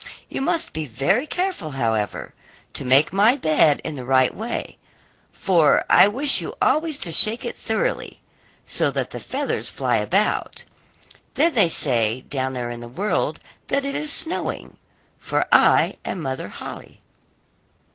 You must be very careful, however, to make my bed in the right way, for I wish you always to shake it thoroughly, so that the feathers fly about; then they say, down there in the world, that it is snowing; for I am Mother Holle.